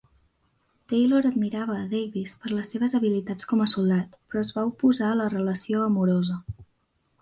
Taylor admirava a Davis per les seves habilitats com a soldat, però es va oposar a la relació amorosa.